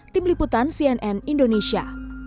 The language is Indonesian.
tim liputan cnn indonesia